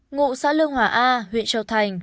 ngụ xã lương hòa a huyện châu thành